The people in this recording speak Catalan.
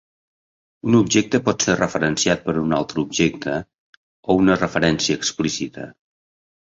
Un objecte pot ser referenciat per un altre objecte, o una referència explícita.